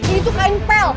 ini tuh kain pel